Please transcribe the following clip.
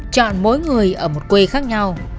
chọn mỗi người ở một quê khác nhau